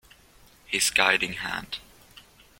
His Guiding Hand.